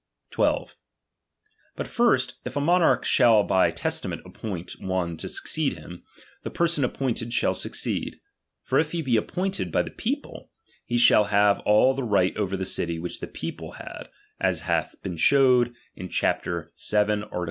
AmoBMch 12. But first, if a monarch shall by testament the oommand of appoint onc to succeed him, the person appointed •by^ZmZlT shall succeed. For if he be appointed by the people, be shall have all the right over the city which the people had, as hath been showed in chap. VII. art.